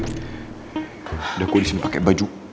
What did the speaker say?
udah gue disini pake baju